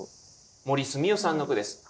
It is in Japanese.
森澄雄さんの句です。